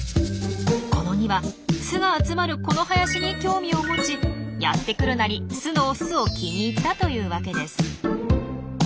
この２羽巣が集まるこの林に興味を持ちやって来るなり巣のオスを気に入ったというわけです。